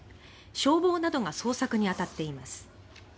消防などが捜索にあたっています。